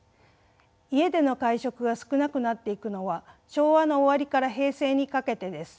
家での会食が少なくなっていくのは昭和の終わりから平成にかけてです。